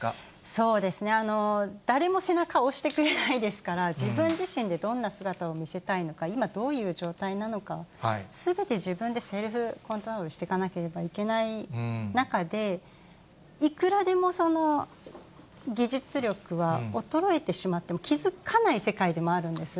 そうですね、誰も背中を押してくれないですから、自分自身でどんな姿を見せたいのか、今、どういう状態なのかをすべて自分でセルフコントロールしてかなければいけない中で、いくらでも技術力は衰えてしまっても、気付かない世界でもあるんです。